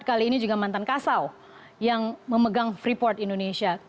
kali ini juga mantan kasau yang memegang freeport indonesia